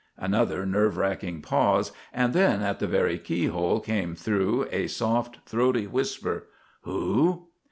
Another nerve racking pause, and then at the very keyhole came through a soft, throaty whisper: "Who?"